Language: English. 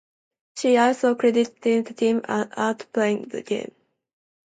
She also credited the team as "out playing" them.